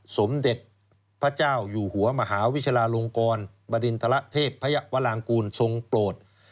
สมเด็จพระเจ้าอยู่หัวมหาวิชาลาลงกรบดินทรเทพพยวรางกูลทรงโปรด